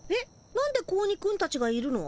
なんで子鬼くんたちがいるの？